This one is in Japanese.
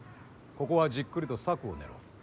ここはじっくりと策を練ろう。